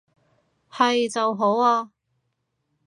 係就好啊